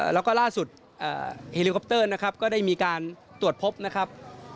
แล้วก็ล่าสุดเฮลิคอปเตอร์นะครับก็ได้มีการตรวจพบนะครับ